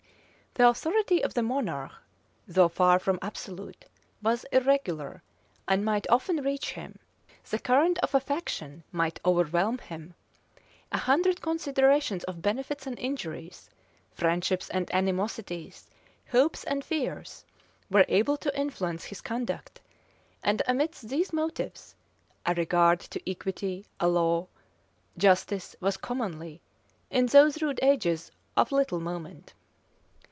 The authority of the monarch, though far from absolute, was irregular, and might often reach him: the current of a faction might overwhelm him: a hundred considerations of benefits and injuries, friendships and animosities, hopes and fears, were able to influence his conduct; and amidst these motives, a regard to equity, and law, and justice was commonly, in those rude ages, of little moment.